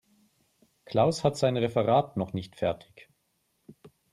Klaus hat sein Referat noch nicht fertig.